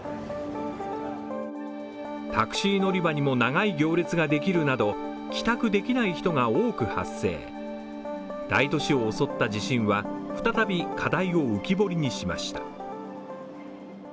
タクシー乗り場にも長い行列ができるなど帰宅できない人が多く発生大都市を襲った地震は再び課題を浮き彫りにしました。